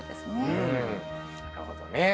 うんなるほどね。